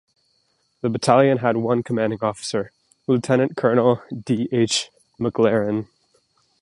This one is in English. The battalion had one commanding officer: Lieutenant-Colonel D. H. MacLaren.